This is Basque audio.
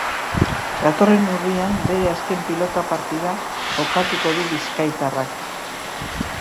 Datorren urrian bere azken pilota partida jokatuko du bizkaitarrak.